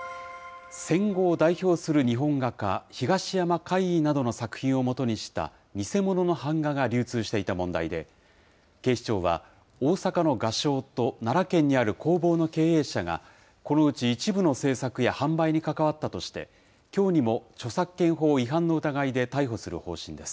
戦後を代表する日本画家、東山魁夷などの作品をもとにした偽物の版画が流通していた問題で、警視庁は、大阪の画商と奈良県にある工房の経営者が、このうち一部の制作や販売に関わったとして、きょうにも著作権法違反の疑いで逮捕する方針です。